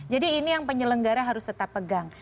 jadi ini yang penyelenggara harus tetap pegang